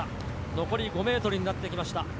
残り５ｍになってきました。